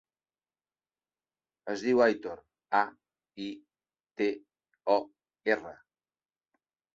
Es diu Aitor: a, i, te, o, erra.